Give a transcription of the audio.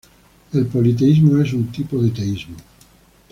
El politeísmo es un tipo de teísmo.